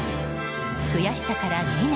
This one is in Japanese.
悔しさから２年。